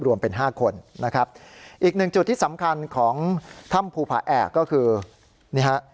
รวมเป็นห้าคนนะครับอีกหนึ่งจุดที่สำคัญของถ้ำภูผาแอกก็คือนี่ฮะ